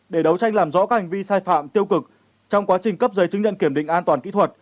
để đấu tranh làm rõ các hành vi sai phạm tiêu cực trong quá trình cấp giấy chứng nhận kiểm định an toàn kỹ thuật